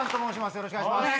よろしくお願いします。